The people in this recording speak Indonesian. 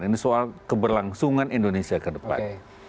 ini soal keberlangsungan indonesia ke depan